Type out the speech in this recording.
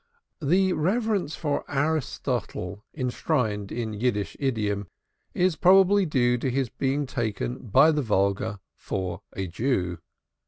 The reverence for Aristotle enshrined in Yiddish idiom is probably due to his being taken by the vulgar for a Jew.